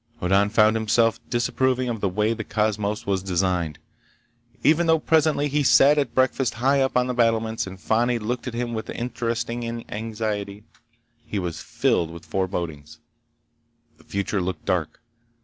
Hoddan found himself disapproving of the way the cosmos was designed. Even though presently he sat at breakfast high up on the battlements, and Fani looked at him with interesting anxiety, he was filled with forebodings. The future looked dark.